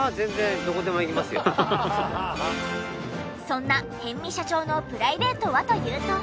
そんな逸見社長のプライベートはというと。